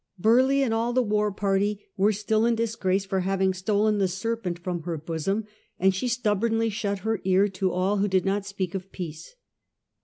Burleigh and all the war party were still in dis grace for having stolen the serpent from her bosom, and she stubbornly shut her ear to all who did not speak of peace.